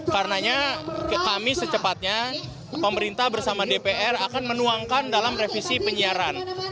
karenanya kami secepatnya pemerintah bersama dpr akan menuangkan dalam revisi penyiaran